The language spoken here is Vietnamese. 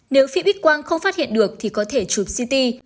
nếu phim ít quang không phát hiện được thì có thể chụp ct